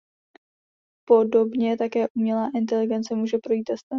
Podobně také umělá inteligence může projít testem.